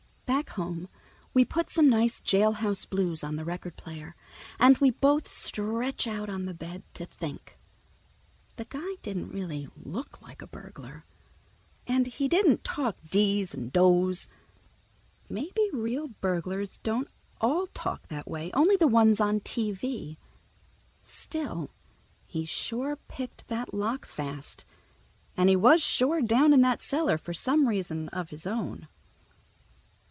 Back home we put some nice jailhouse blues on the record player, and we both stretch out on the bed to think. The guy didn't really look like a burglar. And he didn't talk "dese and dose." Maybe real burglars don't all talk that way—only the ones on TV. Still, he sure picked that lock fast, and he was sure down in that cellar for some reason of his own.